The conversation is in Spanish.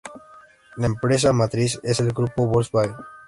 La empresa matriz es el Grupo Volkswagen.